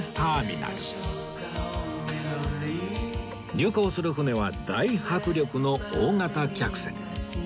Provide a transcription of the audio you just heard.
入港する船は大迫力の大型客船